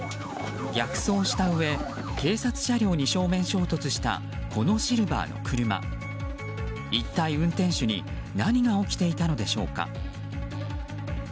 逆走したうえ警察車両に正面衝突したこのシルバーの車一体、運転手に何が起きていたのでしょうか。